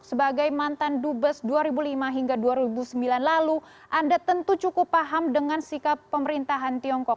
sebagai mantan dubes dua ribu lima hingga dua ribu sembilan lalu anda tentu cukup paham dengan sikap pemerintahan tiongkok